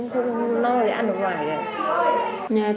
không no để ăn được ngoài